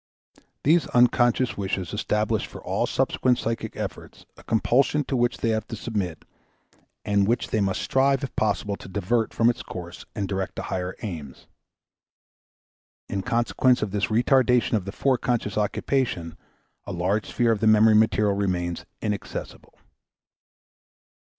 These unconscious wishes establish for all subsequent psychic efforts a compulsion to which they have to submit and which they must strive if possible to divert from its course and direct to higher aims. In consequence of this retardation of the foreconscious occupation a large sphere of the memory material remains inaccessible.